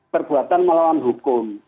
perbuatan melawan hukum